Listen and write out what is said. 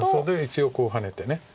一応こうハネて。